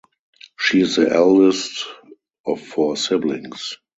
She is the eldest of four siblings.